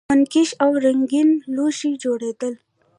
منقش او رنګین لوښي جوړیدل